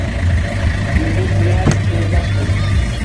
Yulduz bilan so’zlashdim.